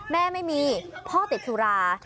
แม่ไม่มีพ่อติดสุรา